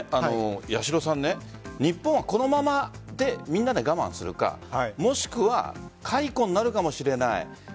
日本はこのままみんなで我慢するかもしくは解雇になるかもしれない。